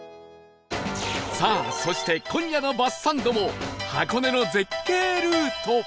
さあそして今夜のバスサンドも箱根の絶景ルート